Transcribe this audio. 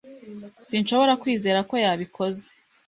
Sinshobora kwizera ko yabikoze.